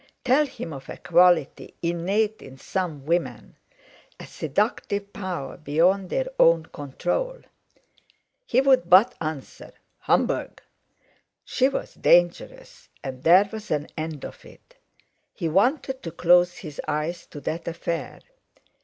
Tell him of a quality innate in some women—a seductive power beyond their own control! He would but answer: "Humbug!" She was dangerous, and there was an end of it. He wanted to close his eyes to that affair.